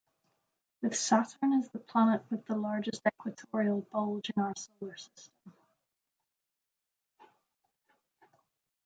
With Saturn is the planet with the largest equatorial bulge in our Solar System.